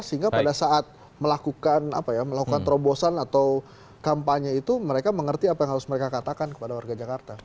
sehingga pada saat melakukan terobosan atau kampanye itu mereka mengerti apa yang harus mereka katakan kepada warga jakarta